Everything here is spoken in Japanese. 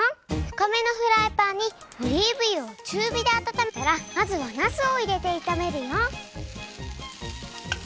ふかめのフライパンにオリーブ油をちゅうびであたためたらまずはなすをいれていためるよ。